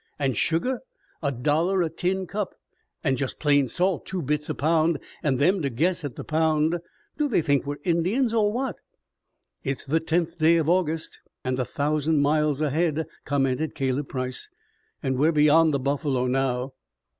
And sugar a dollar a tin cup, and just plain salt two bits a pound, and them to guess at the pound. Do they think we're Indians, or what?" "It's the tenth day of August, and a thousand miles ahead," commented Caleb Price. "And we're beyond the buffalo now."